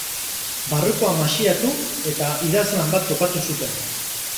Barrukoa maxiatu eta idazlan bat topatu zuten.